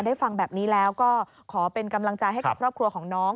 ฟังแบบนี้แล้วก็ขอเป็นกำลังใจให้กับครอบครัวของน้อง